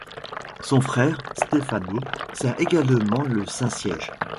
Son frère, Stefano, sert également le Saint-Siège.